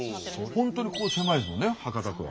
本当にここ狭いですもんね博多区は。